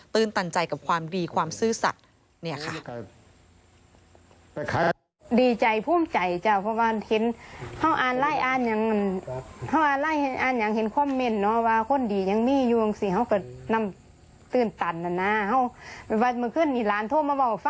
ตันใจกับความดีความซื่อสัตว์เนี่ยค่ะ